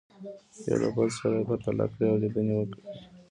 یو له بل سره یې پرتله کړئ او لیدنې ولیکئ.